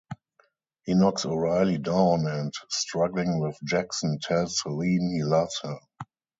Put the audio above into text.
He knocks O'Reilly down and, struggling with Jackson, tells Celine he loves her.